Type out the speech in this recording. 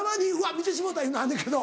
見てしもうたいうのあんねんけど。